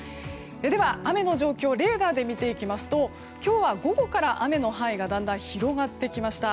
では雨の状況をレーダーで見ていきますと今日は午後から雨の範囲がだんだん広がってきました。